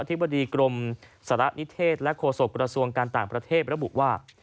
ธิบดีกรมสระนิเทศและโฆษกระทรวงการต่างประเทศระบุว่า